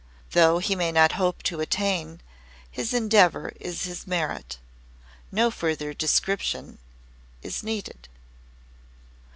Though he may not hope to attain, his endeavor is his merit. No further description it needed."